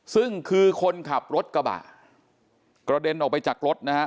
ซึ่งคือคนขับรถกระบะกระเด็นออกไปจากรถนะฮะ